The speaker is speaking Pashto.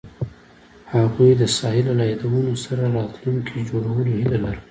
هغوی د ساحل له یادونو سره راتلونکی جوړولو هیله لرله.